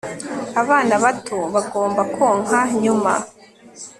abana bato bagomba konka nyuma